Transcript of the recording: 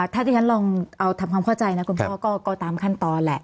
ถ้าที่ฉันลองเอาทำความเข้าใจนะคุณพ่อก็ตามขั้นตอนแหละ